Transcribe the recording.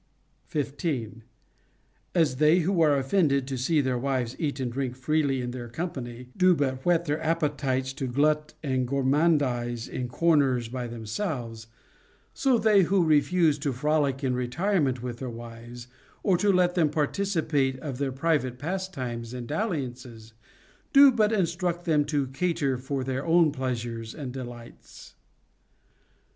15. As they who are offended to see their wives eat and drink freely in their company do but whet their appetites to glut and gormandize in corners by themselves ; so they who refuse to frolic in retirement with their wives, or to let them participate of their private pastimes and dal liances, do but instruct them to cater for their own pleas ures and delights.